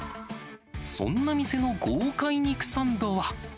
そんな店の豪快肉サンドは。